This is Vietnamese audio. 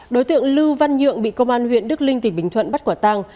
đối tượng lưu văn nhượng bị công an huyện đức linh tỉnh bình thuận bắt quả tang